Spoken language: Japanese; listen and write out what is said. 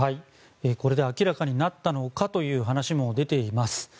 これで明らかになったのかという話も出ています。